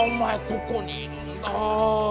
ここにいるんだ。